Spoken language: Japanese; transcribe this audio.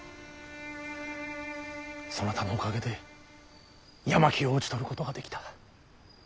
そなたのおかげで山木を討ち取ることができた。